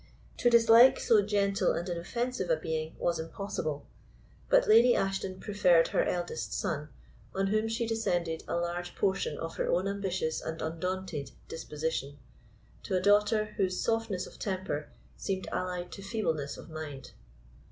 To dislike so gentle and inoffensive a being was impossible; but Lady Ashton preferred her eldest son, on whom had descended a large portion of her own ambitious and undaunted disposition, to a daughter whose softness of temper seemed allied to feebleness of mind.